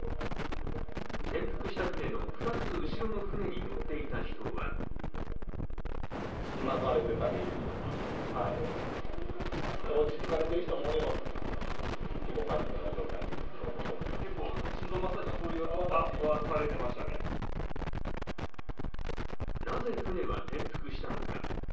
転覆した船の２つ後ろの船に乗っていた人はなぜ船は転覆したのか。